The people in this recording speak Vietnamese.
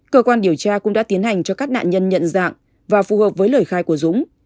cơ quan điều tra cũng đã tiến hành cho các nạn nhân nhận dạng và phù hợp với lời khai của dũng